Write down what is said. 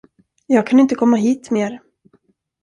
Jag kan inte komma hit mer.